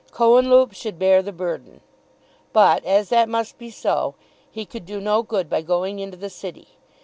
Cohenlupe should bear the burden. But as that must be so, he could do no good by going into the City.